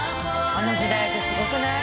この時代ってすごくない？